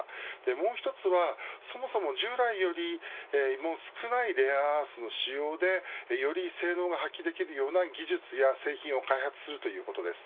もう一つは、そもそも従来より少ないレアアースの使用でより性能が発揮できるような技術や製品を開発するということです。